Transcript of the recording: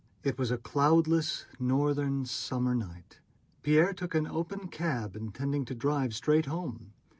It was a cloudless, northern, summer night. Pierre took an open cab intending to drive straight home.